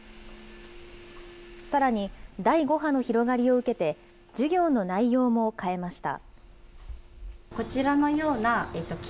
さらに第５波の広がりを受けて、授業の内容も変えました。